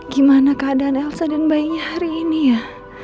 gimana keadaan elsa dan bayinya hari ini ya